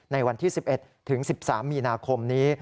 ในวันที่๑๑ถึง๑๓มีนาคมนี้